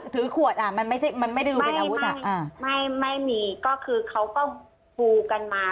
ถือขวดมันไม่ได้รู้เป็นอาวุธไม่มีก็คือเขาก็กลูกันมา